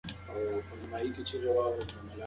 که موږ له محتاجو سره سخا وکړو، الله مو خوښوي.